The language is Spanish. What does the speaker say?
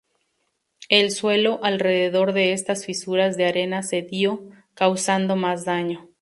El suelo alrededor de estas fisuras de arena cedió, causando más daño.